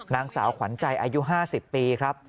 นางสาวขวัญใจอายุ๕๐ปีครับ